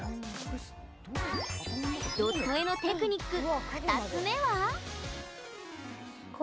ドット絵のテクニック２つ目は。